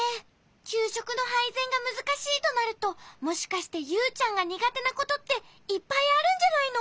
きゅうしょくのはいぜんがむずかしいとなるともしかしてユウちゃんがにがてなことっていっぱいあるんじゃないの？